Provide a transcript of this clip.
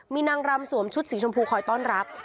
มีนางรำสวมชุดสีชมพูคอยต้อนรับ